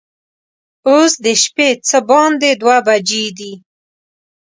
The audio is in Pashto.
اوس د شپې څه باندې دوه بجې دي.